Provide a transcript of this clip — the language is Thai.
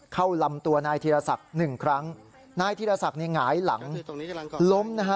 ลำตัวนายธีรศักดิ์หนึ่งครั้งนายธีรศักดิ์นี่หงายหลังล้มนะฮะ